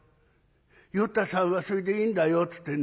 与太さんはそれでいいんだよ』つってね